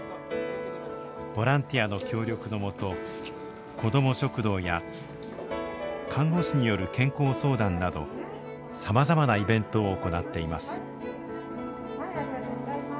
ボランティアの協力のもと子ども食堂や看護師による健康相談などさまざまなイベントを行っています。